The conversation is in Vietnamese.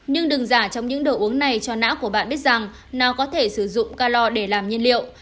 nhưng đừng giả trong những đồ uống này cho não của bạn biết rằng nó có thể sử dụng calor để làm nhiên liệu